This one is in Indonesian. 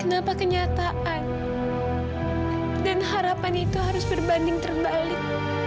kenapa kenyataan dan harapan itu harus berbanding terbalik